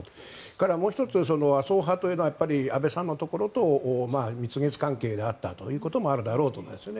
それからもう１つ麻生派というのは安倍さんのところと蜜月関係であったということもあるだろうと思います。